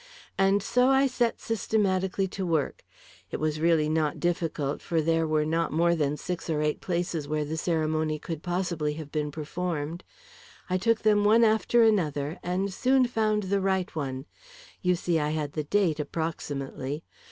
And so I set systematically to work. It was really not difficult, for there were not more than six or eight places where the ceremony could possibly have been performed. I took them one after another, and soon found the right one you see, I had the date, approximately.